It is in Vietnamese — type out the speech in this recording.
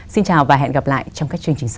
xin chào và hẹn gặp lại trong các chương trình sau